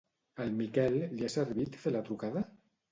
Al Miquel li ha servit fer la trucada?